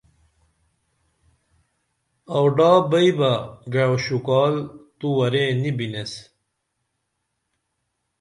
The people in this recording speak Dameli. آوڈا بئی بہ گعو شُکال تو ورے نی بِنیس